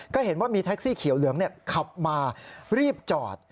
ก็เห็นว่ามีแท็กซี่เขียวเหลืองขับมารีบจอด